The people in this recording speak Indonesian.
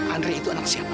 andre itu anak siapa